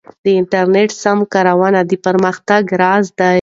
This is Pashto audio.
د انټرنیټ سمه کارونه د پرمختګ راز دی.